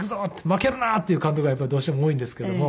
負けるな！」っていう監督がやっぱりどうしても多いんですけども。